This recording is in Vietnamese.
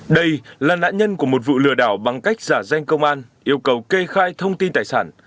đây là nạn nhân của một vụ lừa đảo bằng cách giả danh công an yêu cầu kê khai thông tin tài sản